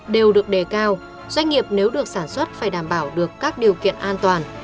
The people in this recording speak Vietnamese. đều được đề cao doanh nghiệp nếu được sản xuất phải đảm bảo được các điều kiện an toàn